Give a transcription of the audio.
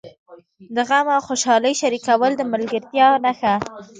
د غم او خوشالۍ شریکول د ملګرتیا نښه ده.